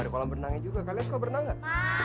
ada kolam renangnya juga kalian suka berenang gak